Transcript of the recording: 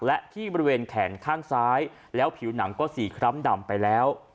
และที่บริเวณแขนข้างซ้ายแล้วผิวหนังก็สี่คล้ำดำไปแล้ว